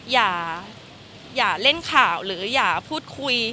อย่าเล่นข่าวหรืออย่าพูดคุย